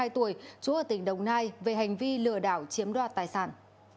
ba mươi hai tuổi chú ở tỉnh đồng nai về hành vi lừa đảo chiếm đoạt tài sản